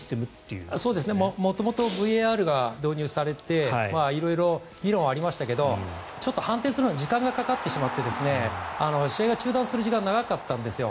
元々、ＶＡＲが導入されて色々議論はありましたがちょっと判定するのに時間がかかってしまって試合が中断する時間が長かったんですよ。